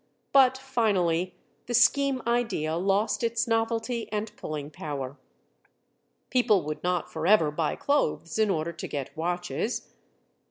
But, finally, the scheme idea lost its novelty and pulling power. People would not forever buy clothes in order to get watches.